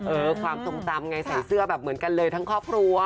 เออความทรงจำไงใส่เสื้อแบบเหมือนกันเลยทั้งครอบครัว